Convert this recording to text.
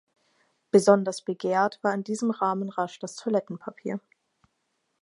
Besonders begehrt war in diesem Rahmen rasch das Toilettenpapier.